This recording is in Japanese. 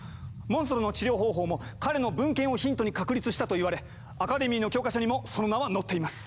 モンストロの治療方法も彼の文献をヒントに確立したといわれアカデミーの教科書にもその名は載っています。